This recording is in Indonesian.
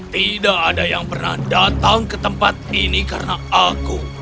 tidak ada yang pernah datang ke tempat ini karena aku